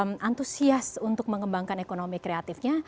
mas dimas sangat antusias untuk mengembangkan ekonomi kreatifnya